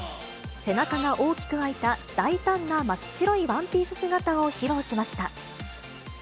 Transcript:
背中が大きく開いた大胆な真っ白いワンピース姿を披露しました。